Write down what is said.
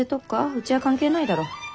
うちは関係ないだろ。